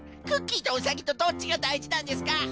クッキーとうさぎとどっちがだいじなんですか？